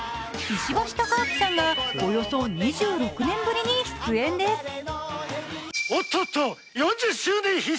石橋貴明さんがおよそ２６年ぶりに出演です。